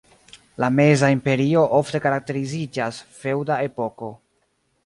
La Meza Imperio ofte karakteriziĝas "feŭda epoko".